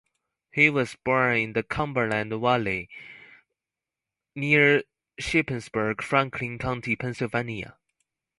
He was born in the Cumberland Valley, near Shippensburg, Franklin County, Pennsylvania.